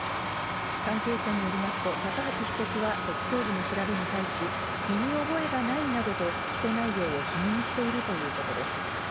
関係者によりますと、高橋被告は特捜部の調べに対し、身に覚えがないなどと、起訴内容を否認しているということです。